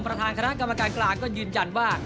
ประธานคณะกรรมการกลางก็ยืนยันว่า